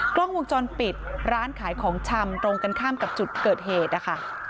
กล้องวงจรปิดร้านขายของชำตรงกันข้ามกับจุดเกิดเหตุนะคะ